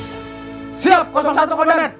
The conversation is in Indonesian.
siap satu komandan